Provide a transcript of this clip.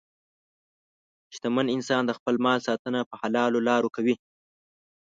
شتمن انسان د خپل مال ساتنه په حلالو لارو کوي.